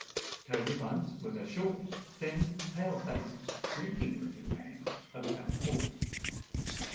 Toby Bunce was a short, thin, pale faced, sneaking looking man of about forty.